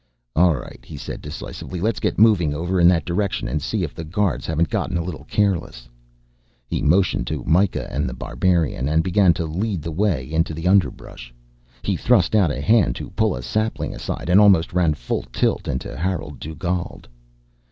"All right," he said decisively, "let's get moving over in that direction, and see if the guards haven't gotten a little careless." He motioned to Myka and The Barbarian, and began to lead the way into the underbrush. He thrust out a hand to pull a sapling aside, and almost ran full tilt into Harolde Dugald.